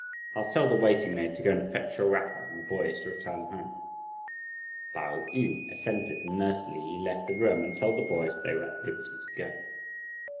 I'll tell the waiting maid to go and fetch your wrapper and the boys to return home." Pao yü assented, and nurse Li left the room and told the boys that they were at liberty to go.